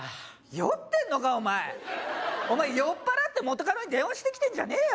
酔ってんのかお前お前酔っ払って元カノに電話してきてんじゃねえよ